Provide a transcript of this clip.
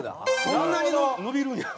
そんなに伸びるんや。